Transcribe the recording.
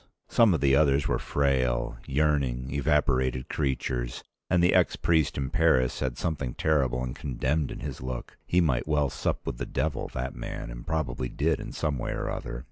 Some of the others were frail, yearning, evaporated creatures, and the ex priest in Paris had something terrible and condemned in his look. He might well sup with the devil, that man, and probably did in some way or other.